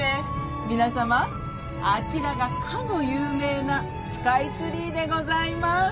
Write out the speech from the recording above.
皆さまあちらがかの有名なスカイツリーでございます。